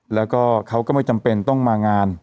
แล้วก็เขาก็ไม่จำเป็นต้องมางาน